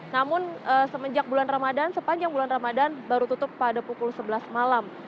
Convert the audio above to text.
namun semenjak bulan ramadan sepanjang bulan ramadan baru tutup pada pukul sebelas malam